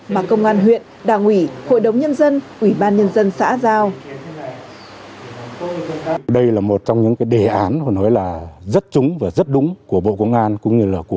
mà công an huyện đảng ủy hội đồng nhân dân